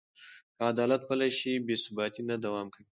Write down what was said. که عدالت پلی شي، بې ثباتي نه دوام کوي.